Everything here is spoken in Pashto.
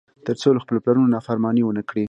تر څو له خپلو پلرونو نافرماني ونه کړي.